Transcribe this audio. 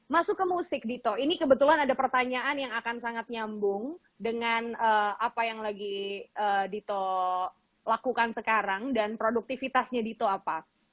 masuk ke musik dito ini kebetulan ada pertanyaan yang akan sangat nyambung dengan apa yang lagi dito lakukan sekarang dan produktivitasnya dito apa